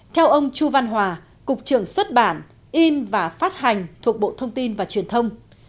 theo ông chu văn hòa cục trưởng xuất bản in và phát hành thuộc bộ thông tin và truyền thông